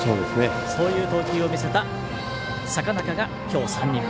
そういう投球を見せた坂中が、きょう３人目。